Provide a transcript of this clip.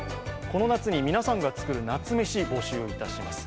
この夏に皆さんが作る夏メシ、募集いたします。